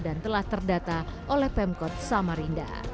dan telah terdata oleh pemkot samarinda